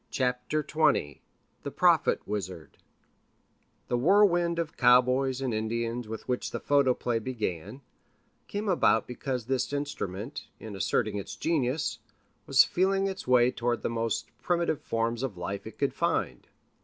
CHAPTER XX THE PROPHET WIZARD The whirlwind of cowboys and Indians with which the photoplay began, came about because this instrument, in asserting its genius, was feeling its way toward the most primitive forms of life it could find.